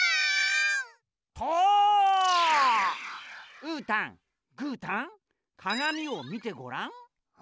うーたんぐーたんかがみをみてごらん。